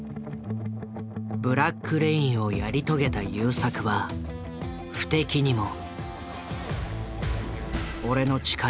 「ブラック・レイン」をやり遂げた優作は不敵にも。